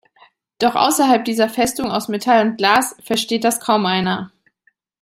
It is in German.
Doch außerhalb dieser Festung aus Metall und Glas versteht das kaum einer.